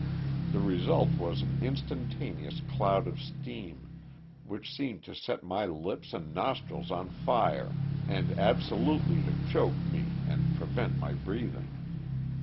The result was an instantaneous cloud of steam, which seemed to set my lips and nostrils on fire and absolutely to choke me and prevent my breathing.